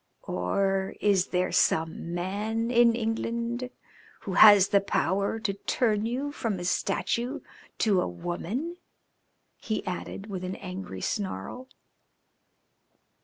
Or is there some man in England who has the power to turn you from a statue to a woman?" he added, with an angry snarl.